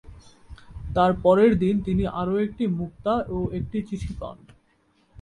তার পরের দিন তিনি আরো একটি মুক্তা ও একটি চিঠি পান।